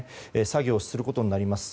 作業をすることになります。